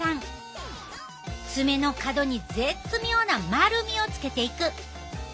爪の角に絶妙な丸みをつけていく。